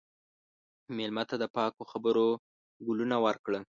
مېلمه ته د پاکو خبرو ګلونه ورکړه.